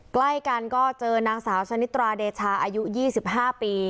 ใกล้กันก็เจอนางสาวชนิตราเดชาอายุ๒๕ปี